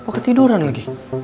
apa ketiduran lagi